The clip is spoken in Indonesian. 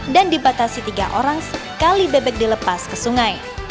dan dibatasi tiga orang sekali bebek dilepas ke sungai